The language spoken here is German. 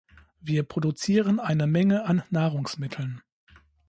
Wir produzieren eine Menge an Nahrungsmitteln.